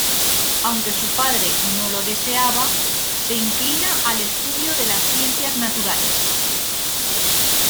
Aunque su padre no lo deseaba, se inclina al estudio de las ciencias naturales.